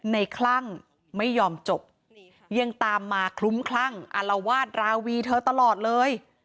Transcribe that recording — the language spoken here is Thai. คลั่งไม่ยอมจบยังตามมาคลุ้มคลั่งอารวาสราวีเธอตลอดเลย